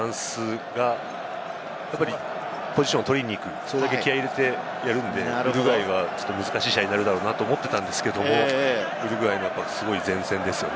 私としてはワールドカップ初出場の選手が多いフランスがポジションを取りに行く、それだけ気合いを入れてやるんで、ウルグアイは難しい試合になるだろうなと思っていたんですけれども、ウルグアイがすごい善戦ですよね。